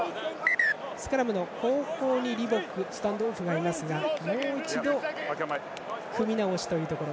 スクラムの後方にリボックスタンドオフがいましたがもう一度、組み直しというところ。